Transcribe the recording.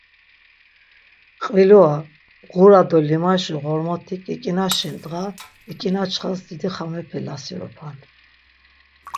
Qvilua, ğura do limaşi ğormoti K̆ik̆inaşi dğa ik̆inaçxas didi xamepe lasirupan.